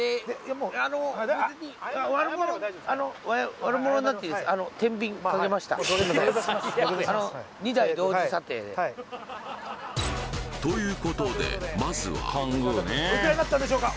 あの別にということでまずはおいくらだったでしょうか？